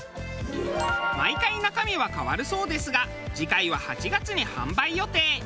毎回中身は変わるそうですが次回は８月に販売予定。